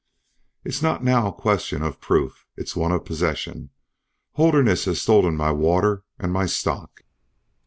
"It's not now a question of proof. It's one of possession. Holderness has stolen my water and my stock."